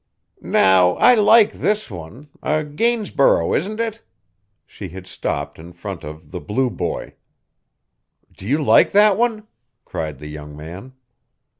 "Now I like this one a Gainsborough, isn't it?" She had stopped in front of "The Blue Boy." "Do you like that one?" cried the young man.